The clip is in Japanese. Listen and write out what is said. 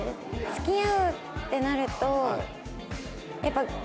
付き合うってなるとやっぱ。